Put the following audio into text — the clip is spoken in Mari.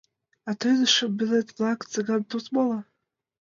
А тыйын шӱмбелет-влак — Цыган, Туз, моло?